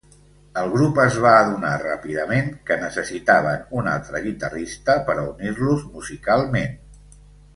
El grup es va adonar ràpidament que necessitaven un altre guitarrista per a unir-los musicalment.